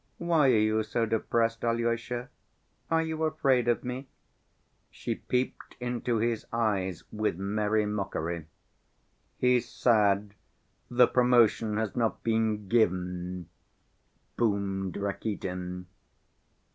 Why are you so depressed, Alyosha? Are you afraid of me?" She peeped into his eyes with merry mockery" "He's sad. The promotion has not been given," boomed Rakitin.